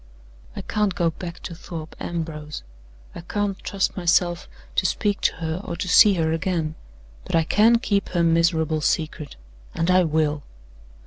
"I can't go back to Thorpe Ambrose; I can't trust myself to speak to her, or to see her again. But I can keep her miserable secret; and I will!"